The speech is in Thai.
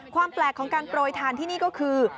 ความแปลกของการโปรยทานที่นี่ก็คือ